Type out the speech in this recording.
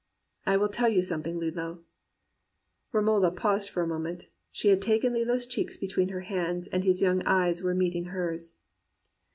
I will tell you something, Lillo/ "Romola paused for a moment. She had taken Lillo's cheeks between her hands, and his young eyes were meeting hers.